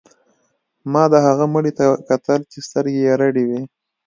ما د هغه مړي ته کتل چې سترګې یې رډې وې